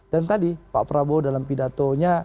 dan tadi pak prabowo dalam pidatonya